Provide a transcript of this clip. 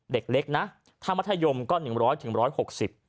เด็กเล็กนะถ้ามัธยมก็หนึ่งร้อยถึงร้อยหกสิบ